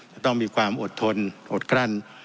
จะต้องมีความอดทนอดกลั้น